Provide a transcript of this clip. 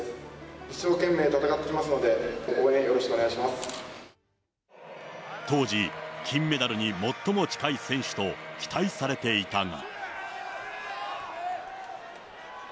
一生懸命戦ってきますので、応援、当時、金メダルに最も近い選手と、期待されていたが。